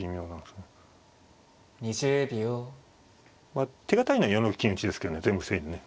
まあ手堅いのは４六金打ですけどね全部防いでね。